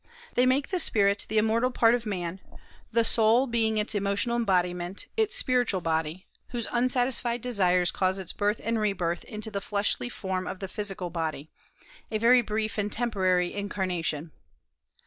They make the "spirit" the immortal part of man, the "soul" being its emotional embodiment, its "spiritual body," whose unsatisfied desires cause its birth and re birth into the fleshly form of the physical "body," a very brief and temporary incarnation.